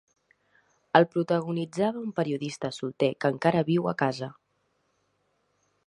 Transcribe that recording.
El protagonitzava un periodista solter que encara viu a casa.